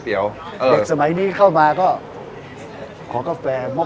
เปิดมายาวนาน๖๐ปีค่ะนะครับ